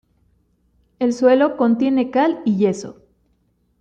El suelo contiene cal y yeso.